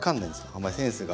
あんまりセンスが。